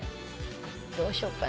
どうしようかな。